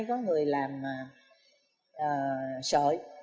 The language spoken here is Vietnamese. có người làm sợi